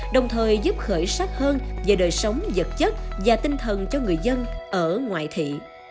đồng thời giúp khởi sắc hơn về đời sống vật chất và tinh thần cho người dân ở ngoại thị